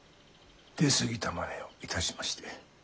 出過ぎたまねをいたしまして。